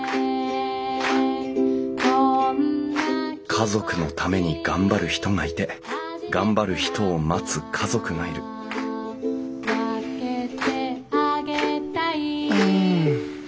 家族のために頑張る人がいて頑張る人を待つ家族がいるうん。